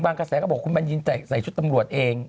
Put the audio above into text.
บางก่อนแสนเขาบอกว่าคุณบรรยินใส่ชุดสำรวจเอง